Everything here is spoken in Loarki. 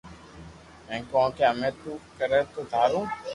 ھي ڪونڪھ ھمي نو ڪري تو ٿارو